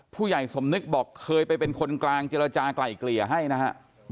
ผู้ใหญ่สมนึกบอกเคยไปเป็นคนกลางเจรจากลายเกลี่ยให้นะฮะ